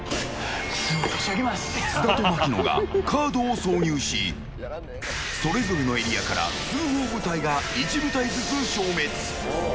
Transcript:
津田と槙野がカードを挿入しそれぞれのエリアから通報部隊が１部隊ずつ消滅。